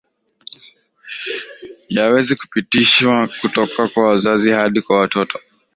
yaaweza kupitishwa kutoka kwa wazazi hadi kwa watoto